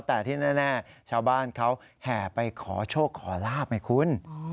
แต่ที่แน่ชาวบ้านเขาแห่ไปขอโชคขอลาบไงคุณ